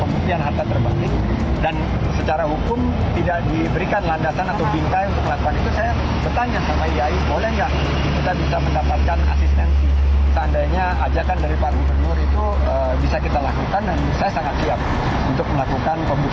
bisa kita lakukan dan saya sangat siap untuk melakukan pembuktian harta sekalian terbalik